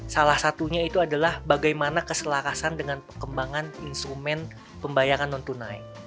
salah satunya itu adalah bagaimana keselakasan dengan perkembangan instrumen pembayaran non tunai